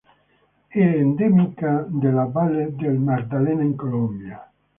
È endemica della valle del Magdalena in Colombia.